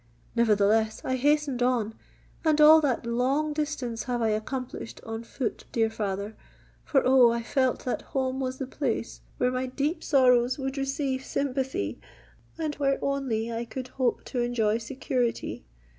Nevertheless, I hastened on,—and all that long distance have I accomplished on foot, dear father; for, oh! I felt that home was the place where my deep sorrows would receive sympathy, and where only I could hope to enjoy security.